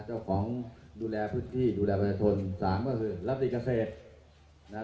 เมืองอัศวินธรรมดาคือสถานที่สุดท้ายของเมืองอัศวินธรรมดา